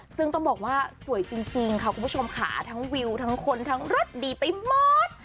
ซึ่งต้องบอกว่าสวยจริงค่ะคุณผู้ชมค่ะทั้งวิวทั้งคนทั้งรถดีไปหมด